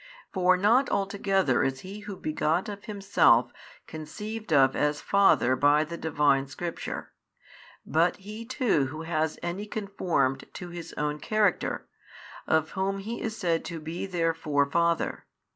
For not altogether is he who begot of himself conceived of as father by the Divine Scripture, but he too who has any conformed to his own character, of whom he is said to be therefore father.